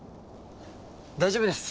大丈夫です。